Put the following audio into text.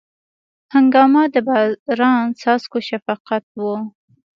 هنګامه د باران څاڅکو شفقت و